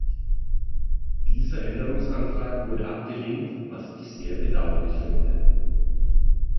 Dieser Änderungsantrag wurde abgelehnt, was ich sehr bedauerlich finde.